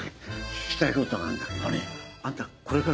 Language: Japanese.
聞きたいことがあるんだけど。